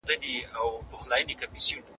کار د احساساتو اغېز اخلي.